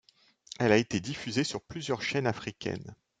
Elle a été diffusée sur plusieurs chaînes africaines.